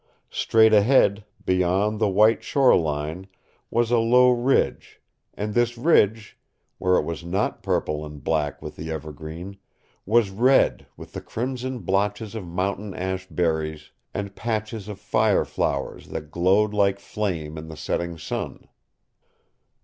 Straight ahead, beyond the white shore line, was a low ridge, and this ridge where it was not purple and black with the evergreen was red with the crimson blotches of mountain ash berries, and patches of fire flowers that glowed like flame in the setting sun.